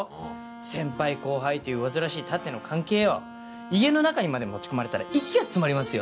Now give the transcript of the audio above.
先輩後輩という煩わしい縦の関係を家の中にまで持ち込まれたら息が詰まりますよ。